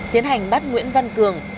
tiến hành bắt nguyễn văn cường